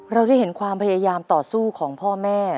เราได้เห็นความพยายามต่อสู้ของพ่อแม่